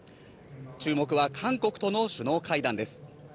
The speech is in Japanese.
注目は韓国との首脳会談です。